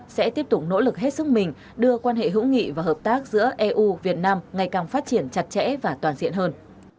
sẽ tiếp tục nỗ lực hết sức mình đưa quan hệ hữu nghị và hợp tác giữa eu việt nam ngày càng phát triển chặt chẽ và toàn diện hơn